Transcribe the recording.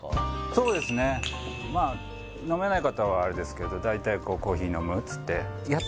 そうですねまあ飲めない方はあれですけど大体こう「コーヒー飲む？」